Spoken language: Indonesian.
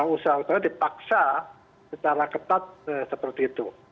usaha usaha dipaksa secara ketat seperti itu